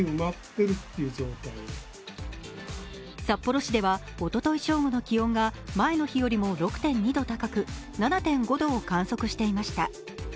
札幌市ではおととい正午の気温が前の日よりも６．２度高く７．５度を観測していました。